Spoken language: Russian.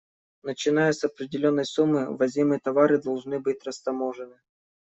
Начиная с определённой суммы, ввозимые товары должны быть растаможены.